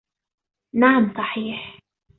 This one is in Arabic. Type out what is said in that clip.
نعم صحيح.